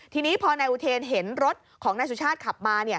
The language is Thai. ทีนี้พอนายอุเทนเห็นรถของนายสุชาติขับมา